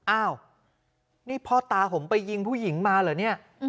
อ้าวนี่พ่อตาผมไปยิงผู้หญิงมาเหรอเนี่ย